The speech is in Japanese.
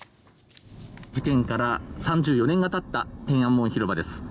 事件から３４年が経った天安門広場です。